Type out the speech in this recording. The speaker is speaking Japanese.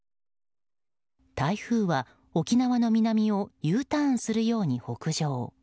台風は沖縄の南をＵターンするように北上。